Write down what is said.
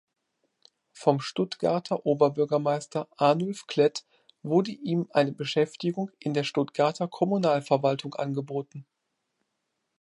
Vom Stuttgarter Oberbürgermeister Arnulf Klett wurde ihm eine Beschäftigung in der Stuttgarter Kommunalverwaltung angeboten.